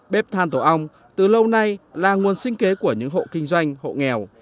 bếp than tổ ong từ lâu nay là nguồn sinh kế của những hộ kinh doanh hộ nghèo